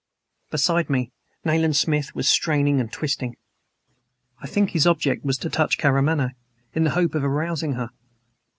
Beside me, Nayland Smith was straining and twisting. I think his object was to touch Karamaneh, in the hope of arousing her.